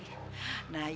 nah itu yang penting